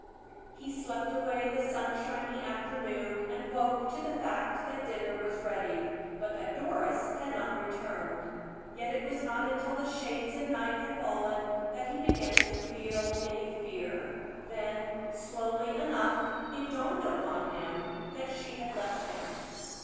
He slept away the sunshiny afternoon, and awoke to the fact that dinner was ready, but that Doris had not returned; yet it was not until the shades of night had fallen that he began to feel any fear; then, slowly enough, it dawned upon him that she had left him.